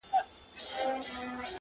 د عشق لمبه وم د خپل جسم لۀ چناره وتم